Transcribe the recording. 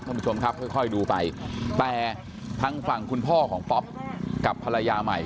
ทุกคนค่อยดูไปแปลทั้งฝั่งคุณพ่อของป๊อกับภรรยาใหม่